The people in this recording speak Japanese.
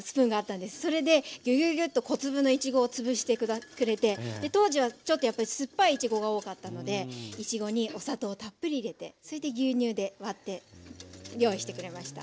それでギュギュギュッと小粒のいちごをつぶしてくれて当時はちょっとやっぱり酸っぱいいちごが多かったのでいちごにお砂糖たっぷり入れてそれで牛乳で割って用意してくれました。